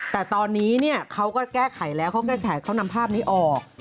แต่ตอนนี้เขาก็แก้ไขแล้วเขาแก้ไขเขานำภาพนี้ออก